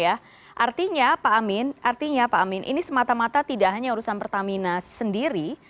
artinya pak amin ini semata mata tidak hanya urusan pertamina sendiri